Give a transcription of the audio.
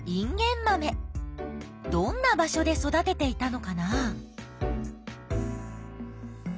どんな場所で育てていたのかな？